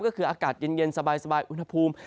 ก็คืออากาศเย็นสบายอุณหภูมิ